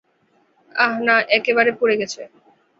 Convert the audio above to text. আহ, না, একেবারে পুড়ে গেছে।